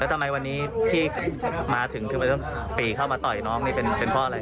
ทำไมวันนี้ที่มาถึงทำไมต้องปีเข้ามาต่อยน้องนี่เป็นเพราะอะไร